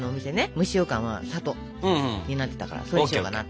蒸しようかんは「里」になってたからそうしようかなと。